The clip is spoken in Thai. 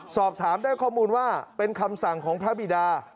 สอบถามได้ข้อมูลว่าเป็นคำสั่งของพระบิดา